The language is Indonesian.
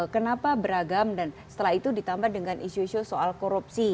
kenapa beragam dan setelah itu ditambah dengan isu isu soal korupsi